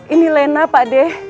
ini lena pade